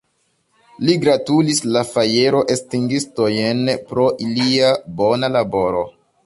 Li gratulis la fajroestingistojn pro ilia bona laboro.